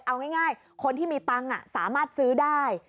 เอาง่ายคนที่มีตังค์สามารถซื้อได้